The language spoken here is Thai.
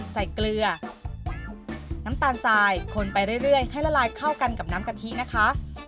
เกลือน้ำตาลทรายคนไปเรื่อยให้ละลายเข้ากันกับน้ำกะทินะคะ